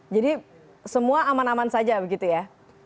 jadi semua aman aman saja begitu ya